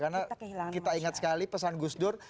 karena kita ingat sekali pesan gus dur